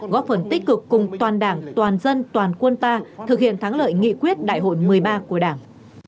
góp phần tích cực cùng toàn đảng toàn dân toàn quân ta thực hiện thắng lợi nghị quyết đại hội một mươi ba của đảng